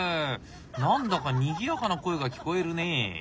何だかにぎやかな声が聞こえるね。